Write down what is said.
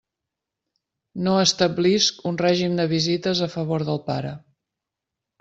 No establisc un règim de visites a favor del pare.